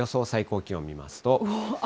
最高気温見ますと。